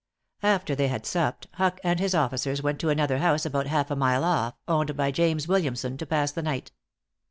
After they had supped, Huck and his officers went to another house about half a mile off, owned by James Williamson, to pass the night.